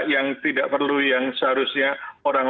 yang tidak perlu yang seharusnya orang